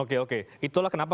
oke oke itulah kenapa